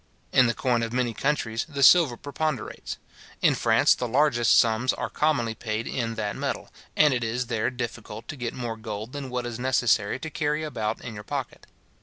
In the coin of many countries the silver preponderates. In France, the largest sums are commonly paid in that metal, and it is there difficult to get more gold than what is necessary to carry about in your pocket.